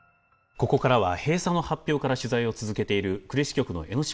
ここからは閉鎖の発表から取材を続けている呉支局の榎嶋記者とお伝えします。